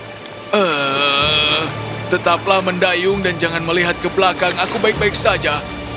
hmm tetaplah mendayung dan jangan melihat ke belakang aku baik baik saja